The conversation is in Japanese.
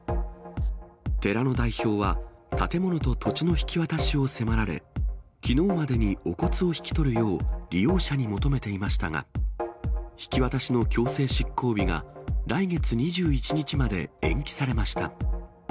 寺の代表は、建物と土地の引き渡しを迫られ、きのうまでにお骨を引き取るよう、利用者に求めていましたが、引き渡しの強制執行日が、来月２１日まで延期されました。